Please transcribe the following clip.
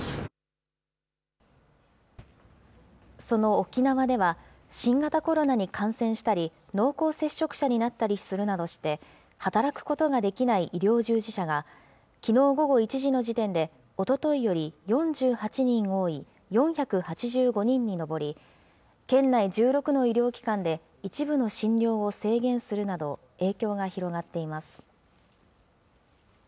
その沖縄では、新型コロナに感染したり、濃厚接触者になったりするなどして、働くことができない医療従事者が、きのう午後１時の時点で、おとといより４８人多い４８５人に上り、県内１６の医療機関で一部の診療を制限するなど、影響が広がっています。